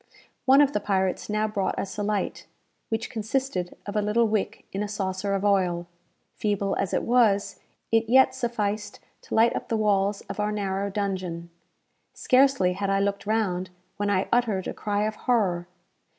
One of the pirates now brought us a light, which consisted of a little wick in a saucer of oil. Feeble as it was, it yet sufficed to light up the walls of our narrow dungeon. Scarcely had I looked round, when I uttered a cry of horror.